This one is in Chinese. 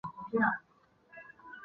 这反映了地幔楔是否熔融。